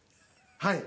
はい。